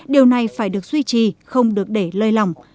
điều này phải được duy trì không được để lơi lỏng